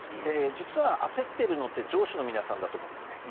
実は焦っているのって上司の皆さんだと思うんですね。